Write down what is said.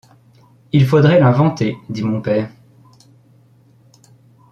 Il faudrait l’inventer, dit mon père.